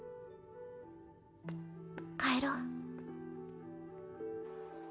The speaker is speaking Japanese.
帰ろう。